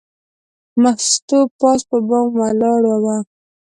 مستو پاس په بام ولاړه وه.